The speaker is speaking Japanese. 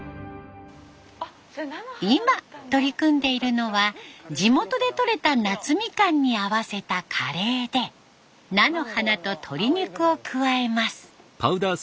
今取り組んでいるのは地元でとれた夏みかんに合わせたカレーで菜の花と鶏肉を加えます。